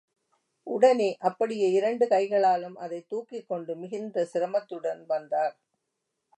உடனே அப்படியே இரண்டு கைகளாலும் அதைத் தூக்கிக் கொண்டு மிகுந்த சிரமத்துடன் வந்தார்.